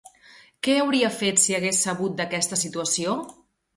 Què hauria fet si hagués sabut d'aquesta situació?